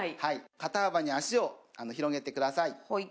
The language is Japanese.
肩幅に足を広げてください。